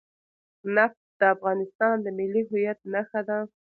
نفت د افغانستان د ملي هویت نښه ده.